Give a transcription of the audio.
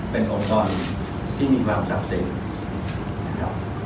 เป็นอุปกรณ์ที่มีความทรัพย์เสีย